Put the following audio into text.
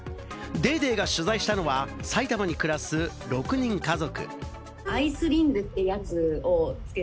『ＤａｙＤａｙ．』が取材したのは、埼玉に暮らす６人家族。